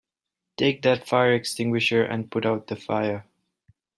Take that fire extinguisher and put out the fire!